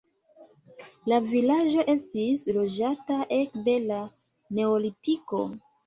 La vilaĝo estis loĝata ekde la neolitiko.